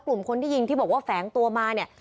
กลุ่มคนที่ยิงที่บอกว่าแฝงตัวมาเนี่ย